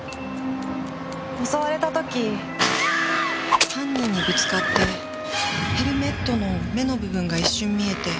襲われた時犯人にぶつかってヘルメットの目の部分が一瞬見えて。